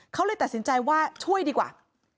เขาเลยตัดสินใจว่าช่วยดีกว่า